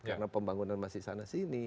karena pembangunan masih sana sini